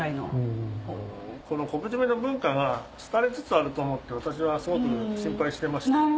この昆布締めの文化が廃れつつあると思って私はすごく心配してまして。